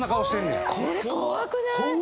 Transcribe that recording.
これ怖くない⁉